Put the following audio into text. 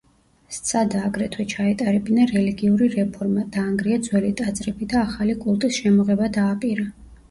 სცადა აგრეთვე ჩაეტარებინა რელიგიური რეფორმა, დაანგრია ძველი ტაძრები და ახალი კულტის შემოღება დააპირა.